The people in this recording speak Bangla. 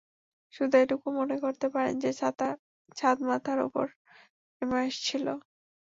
শুধু এটুকু মনে করতে পারেন যে, ছাদ মাথার ওপর নেমে আসছিল।